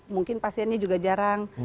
mungkin pasiennya juga jarang